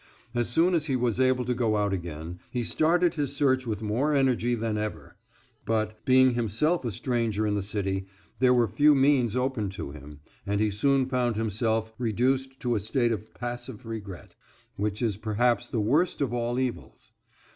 As soon as he was able to go out again he started his search with more energy than ever, but, being himself a stranger in the city, there were few means open to him, and he soon found himself reduced to a state of passive regret, which is perhaps the worst of all evils.